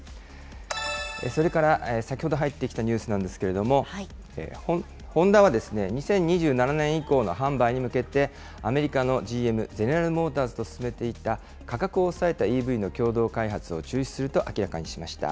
それから、先ほど入ってきたニュースなんですけれども、ホンダは２０２７年以降の販売に向けて、アメリカのＧＭ・ゼネラル・モーターズと進めていた、価格を抑えたＥＶの共同開発を中止すると明らかにしました。